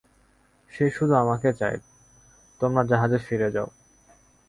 সে শুধু আমাকে চায়, তোমরা জাহাজে ফিরে যাও!